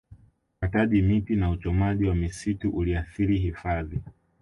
ukataji miti na uchomaji wa misitu uliathiri hifadhi